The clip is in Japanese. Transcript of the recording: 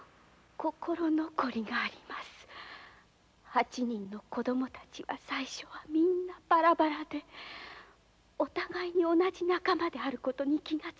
八人の子どもたちは最初はみんなバラバラでお互いに同じ仲間であることに気が付きません。